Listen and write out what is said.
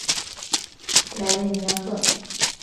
莱维尼亚克。